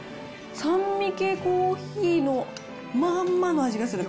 酸味系コーヒーのまんまの味がする。